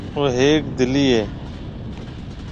او هيڪ دِلِي هيَ۔